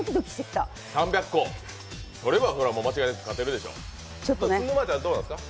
３００個取れば、もうそれは間違いなく勝てるでしょう。